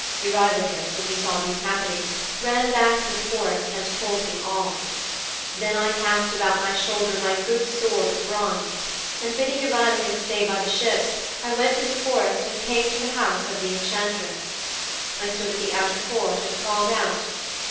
'Eurylochus, when he saw these happenings, ran back through the forest and told me all. Then I cast about my shoulder my good sword of bronze, and, bidding Eurylochus stay by the ships, I went through the forest and came to the house of the enchantress. I stood at the outer court and called out.